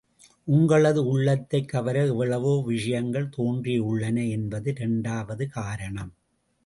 உங்களது உள்ளத்தைக் கவர எவ்வளவோ விஷயங்கள் தோன்றியுள்ளன என்பது இரண்டாவது காரணம்.